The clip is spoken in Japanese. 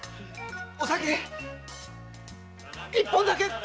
お酒一本だけ！